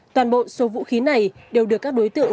toàn bộ số vũ khí này đều được các đối tượng